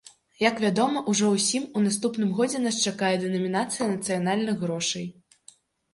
Як вядома ўжо ўсім, у наступным годзе нас чакае дэнамінацыя нацыянальных грошай.